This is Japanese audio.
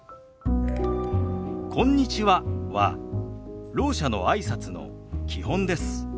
「こんにちは」はろう者のあいさつの基本です。